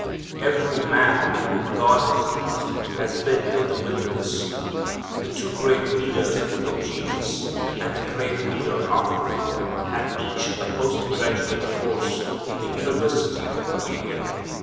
Every man whom God has used has been in the wilderness. The two great leaders before Jesus, and the great leader after Him, had each a post graduate course in the University of Arabia.